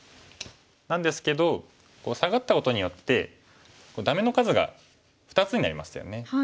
なんですけどサガったことによってダメの数が２つになりましたよね。